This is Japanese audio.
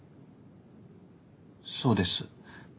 そうです。